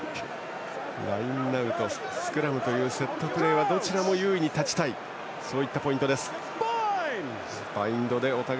ラインアウトスクラムというセットプレーはどちらも優位に立ちたいポイント。